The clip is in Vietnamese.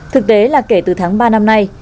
thực tế là kể từ tháng ba năm nay